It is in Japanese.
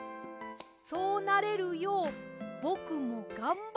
そうなれるようぼくもがんばるＹＯ！